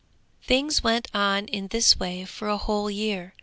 _] Things went on in this way for a whole year.